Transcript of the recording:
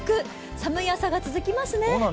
寒い朝が続きますね。